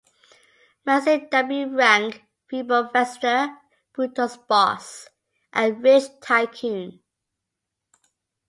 Rancid W. "Rank" Veeblefester - Brutus's boss, a rich tycoon.